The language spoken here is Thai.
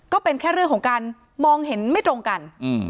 ก็เป็นแค่เรื่องของการมองเห็นไม่ตรงกัน